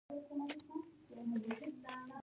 چې بې غمه کړلې تېرې لاروي شپې